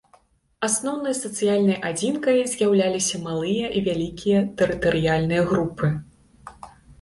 Асноўнай сацыяльнай адзінкай з'яўляліся малыя і вялікія тэрытарыяльныя групы.